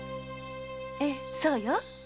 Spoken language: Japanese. ええそうよ。